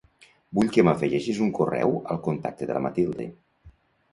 Vull que m'afegeixis un correu al contacte de la Matilde.